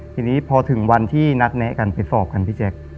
ทีนี้พอถึงวันที่นัดแนะกันไปสอบกันพี่แจ๊ค